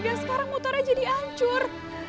dan sekarang motor aja dihancur